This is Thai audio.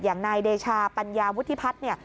อย่างนายเดชาปัญญาวุฒิพัฒน์เนี่ย